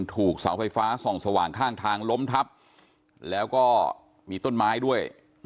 ถูกเสาไฟฟ้าส่องสว่างข้างทางล้มทับแล้วก็มีต้นไม้ด้วย